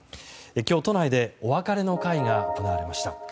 今日、都内でお別れの会が行われました。